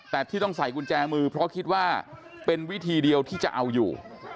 แต่ที่ต้องใส่กุญแจมือเพราะคิดว่าเป็นวิธีเดียวที่จะเอาอยู่